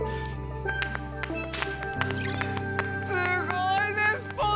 すごいですポンさん！